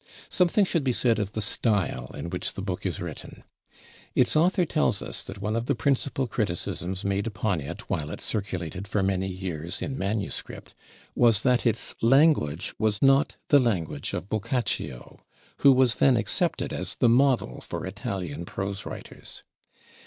Something should be said of the style in which the book is written. Its author tells us that one of the principal criticisms made upon it while it circulated for many years in manuscript, was that its language was not the language of Boccaccio, who was then accepted as the model for Italian prose writers.